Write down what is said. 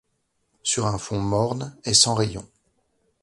Sur un fond morne. et sans rayons